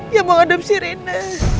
dia mau ngadepsi rena